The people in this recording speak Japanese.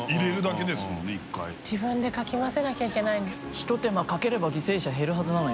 ひと手間かければ犠牲者減るはずなのに。